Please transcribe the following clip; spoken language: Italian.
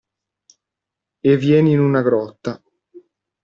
E vieni in una grotta.